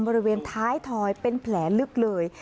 บริเวณท้ายทอยเป็นแผลลึกเลย